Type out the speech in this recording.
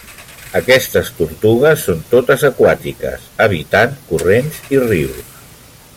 Aquestes tortugues són totes aquàtiques, habitant corrents i rius.